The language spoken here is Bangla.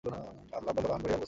আল-আব্বাস আল-আনবারি আল-বসরি